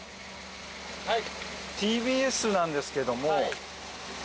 はい